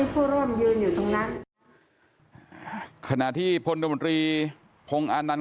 พ่อร่วมยืนอยู่ตรงนั้นถ้าคณะที่พนธบนตรีพงศอานัล